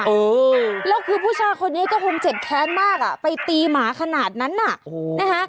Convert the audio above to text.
เออแล้วคือผู้ชายคนนี้ก็คงเจ็บแค้นมากอ่ะไปตีหมาขนาดนั้นน่ะโอ้โหนะคะ